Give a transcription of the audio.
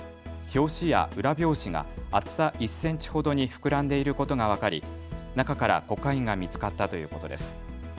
表紙が厚さ１センチほどに膨らんでいることが分かり中からコカインが見つかったということです。